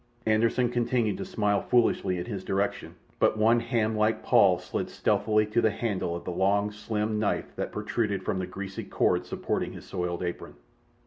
Anderssen continued to smile foolishly in his direction, but one ham like paw slid stealthily to the handle of the long, slim knife that protruded from the greasy cord supporting his soiled apron.